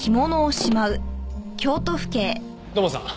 土門さん。